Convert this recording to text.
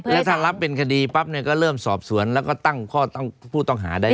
แล้วถ้ารับเป็นคดีปั๊บเนี่ยก็เริ่มสอบสวนแล้วก็ตั้งข้อตั้งผู้ต้องหาได้